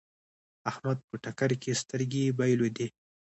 احمد په ټکر کې سترګې بايلودې.